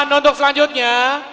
dan untuk selanjutnya